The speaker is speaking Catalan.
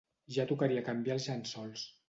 Ja tocaria canviar els llençols